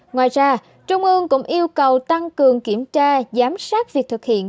ngoài ra trung ương cũng yêu cầu tăng cường kiểm tra giám sát việc thực hiện